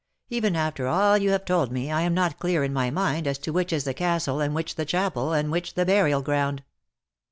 Even after all you have told me, I am not clear in my mind as to which is the castle and which the chapel, and which the burial ground.